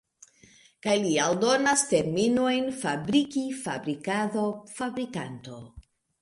Kaj li aldonas terminojn fabriki, fabrikado, fabrikanto.